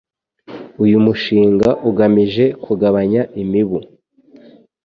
Uyu mushinga ugamije kugabanya imibu